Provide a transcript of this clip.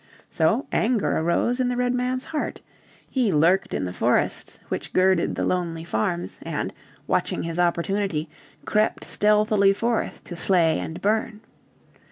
So anger arose in the Redman's heart. He lurked in the forests which girded the lonely farms and, watching his opportunity, crept stealthily forth to slay and burn.